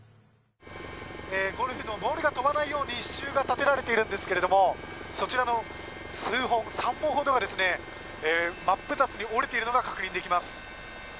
ゴルフのボールが飛ばないように支柱が立てられているんですけれどそちらの数本、３本ほどが真っ二つに折れているのが確認できます。